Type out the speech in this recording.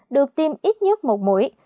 được tiêm ít nhất một mũi